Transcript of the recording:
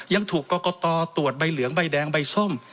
ยังถูกกรกตตรวจใบเหลืองใบแดงใบส้ม